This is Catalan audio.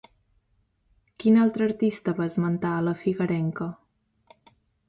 Quin altre artista va esmentar a la figuerenca?